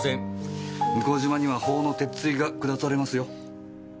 向島には法の鉄槌が下されますよ。